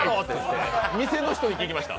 店の人に聞きました。